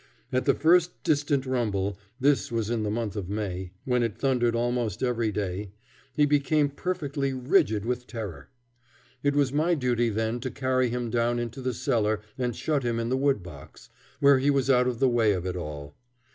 At the first distant rumble this was in the month of May, when it thundered almost every day he became perfectly rigid with terror. It was my duty then to carry him down into the cellar and shut him in the wood box, where he was out of the way of it all.